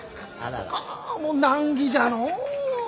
あもう難儀じゃのう。